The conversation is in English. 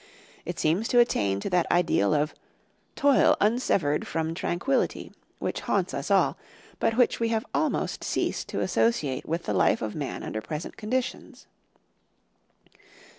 It seems to attain to that ideal of "toil unsever'd from tranquillity" which haunts us all, but which we have almost ceased to associate with the life of man under present conditions.